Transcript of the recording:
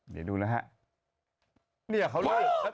เดี๋ยวดูนะครับ